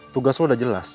tugas lo udah jelas